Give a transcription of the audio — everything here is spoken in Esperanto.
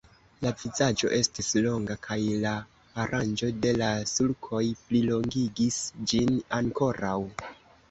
La vizaĝo estis longa, kaj la aranĝo de la sulkoj plilongigis ĝin ankoraŭ.